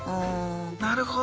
なるほど。